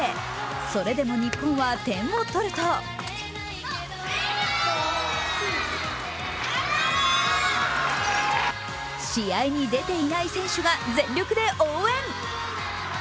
それでも日本は点を取ると試合に出ていない選手が全力で応援。